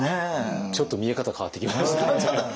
ちょっと見え方変わってきましたね。